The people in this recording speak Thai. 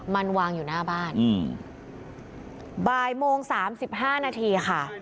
มันวางอยู่หน้าบ้านอืมบ่ายโมงสามสิบห้านาทีค่ะ